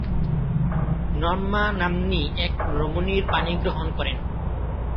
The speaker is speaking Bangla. নর্মা নাম্নী এক রমণীর পাণিগ্রহণ করেন।